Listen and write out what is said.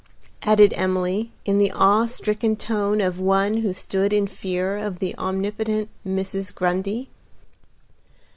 added Emily in the awe stricken tone of one who stood in fear of the omnipotent Mrs. Grundy.